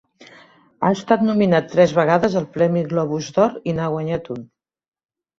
Ha estat nominat tres vegades al Premi Globus d'Or i n'ha guanyat un.